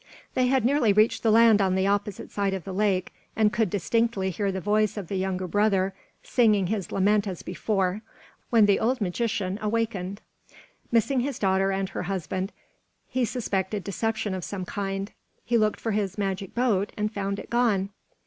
They had nearly reached the land on the opposite side of the lake, and could distinctly hear the voice of the younger brother singing his lament as before, when the old magician wakened. Missing his daughter and her husband, he suspected deception of some kind; he looked for his magic boat and found it gone.